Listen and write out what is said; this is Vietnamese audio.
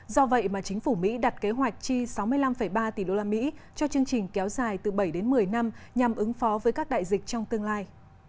do vậy mà chính phủ mỹ đặt kế hoạch chi sáu mươi năm ba tỷ đô la mỹ cho chương trình kéo dài từ bảy đến một mươi năm nhằm ứng phó với các đại dịch trong tương lai